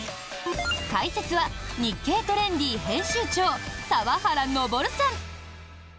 解説は「日経トレンディ」編集長澤原昇さん。